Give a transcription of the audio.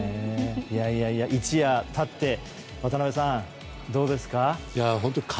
一夜経って渡辺さん、どうですか？